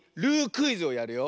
クイズをやるよ。